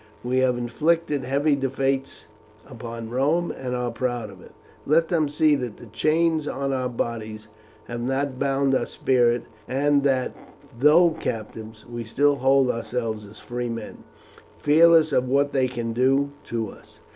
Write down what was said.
We have inflicted heavy defeats upon Rome, and are proud of it. Let them see that the chains on our bodies have not bound our spirit, and that, though captives, we still hold ourselves as free men, fearless of what they can do to us.